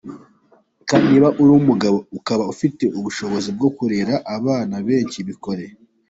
Kandi niba uri umugabo ukaba ufite ubushobozi bwo kurera abana benshi bikore.”